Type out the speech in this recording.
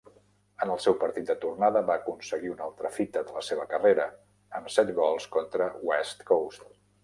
En el seu partit de tornada va aconseguir una altra fita de la seva carrera amb set gols contra West Coast.